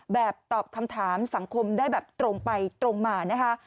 ตอบคำถามสังคมได้แบบตรงไปตรงมานะคะ